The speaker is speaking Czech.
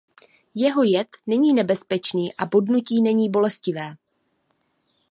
Jeho jed není nebezpečný a bodnutí není bolestivé.